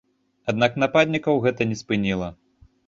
Аднак нападнікаў гэта не спыніла.